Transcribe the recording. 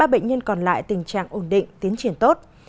ba bệnh nhân còn lại tình trạng ổn định tiến triển tốt